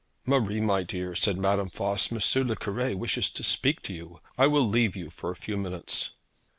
'Marie, my dear,' said Madame Voss, 'M. le Cure wishes to speak to you. I will leave you for a few minutes.'